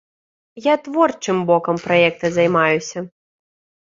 Я творчым бокам праекта займаюся.